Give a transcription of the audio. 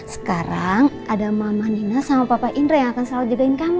sekarang ada mama nina sama papa indra yang akan selalu jagain kamu